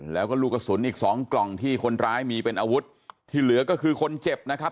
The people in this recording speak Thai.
แล้วก็ลูกกระสุนอีกสองกล่องที่คนร้ายมีเป็นอาวุธที่เหลือก็คือคนเจ็บนะครับ